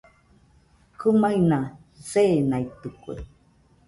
Kɨmaɨna seenaitɨkue